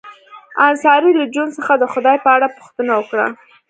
انصاري له جون څخه د خدای په اړه پوښتنه وکړه